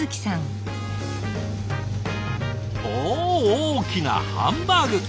大きなハンバーグ。